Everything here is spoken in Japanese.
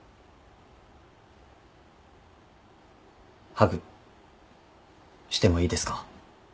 ハグしてもいいですか？